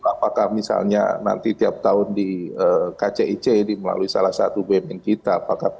apakah misalnya nanti tiap tahun di kcic melalui salah satu bumn kita